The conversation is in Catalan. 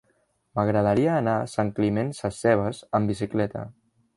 M'agradaria anar a Sant Climent Sescebes amb bicicleta.